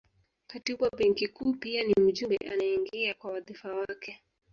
Katibu wa Benki Kuu pia ni mjumbe anayeingia kwa wadhifa wake